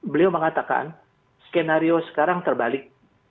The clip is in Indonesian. beliau mengatakan skenario sekarang terbalik